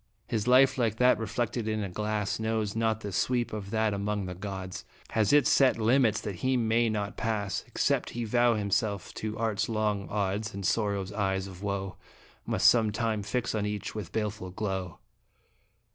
His life, like that reflected in a glass, Knows not the sweep of that among the gods Has its set limits that he may not pass Except he vow himself to Art's long odds, And Sorrow's eyes of woe Must some time fix on each with baleful glow.